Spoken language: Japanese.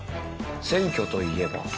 選挙といえば。